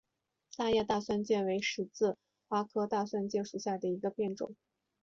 大叶大蒜芥为十字花科大蒜芥属下的一个变种。